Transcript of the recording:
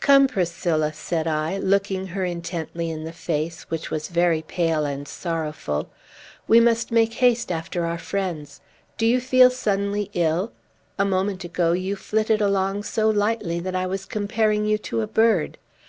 "Come, Priscilla," said I, looking her intently in the face, which was very pale and sorrowful, "we must make haste after our friends. Do you feel suddenly ill? A moment ago, you flitted along so lightly that I was comparing you to a bird.